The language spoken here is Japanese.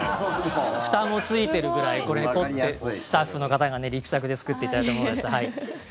ふたもついているぐらい凝ってスタッフの方が力作で作ってもらったものなんです。